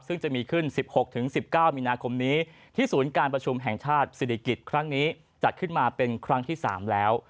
ซึ่งจะมีขึ้น๑๖๑๙มีนาคมนี้ที่ศูนย์การประชุมแห่งชาติศิริกิจครั้งนี้จัดขึ้นมาเป็นครั้งที่๓แล้ว